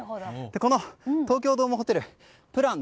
この東京ドームホテルのプラン